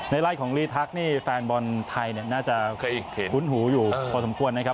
ไล่ของลีทักนี่แฟนบอลไทยน่าจะเคยคุ้นหูอยู่พอสมควรนะครับ